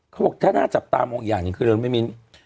เขาบอกถ้าน่าจับตามอีกอย่างอย่างคือเริ่มไม่มี